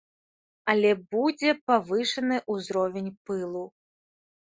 Але будзе павышаны ўзровень пылу.